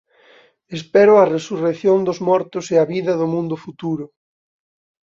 Espero a resurrección dos mortos e a vida do mundo futuro.